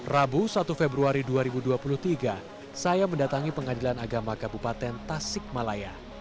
rabu satu februari dua ribu dua puluh tiga saya mendatangi pengadilan agama kabupaten tasik malaya